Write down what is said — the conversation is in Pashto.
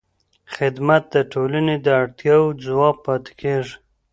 خدمت د ټولنې د اړتیاوو ځواب پاتې کېږي.